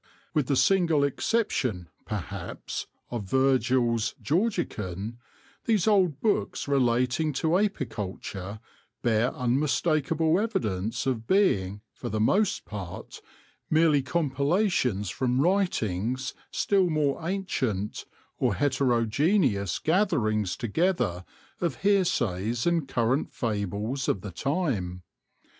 With the single exception, perhaps, of Virgil's '.' Georgicon," these old books relating to apiculture bear unmistak able evidence of being, for the most part, merely compilations from writings still more ancient, or heterogeneous gatherings together of hearsays and current fables of the time.